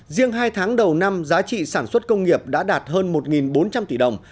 riêng hai tháng đầu năm giá trị sản xuất công nghiệp đã đạt hơn một bốn trăm linh tỷ đồng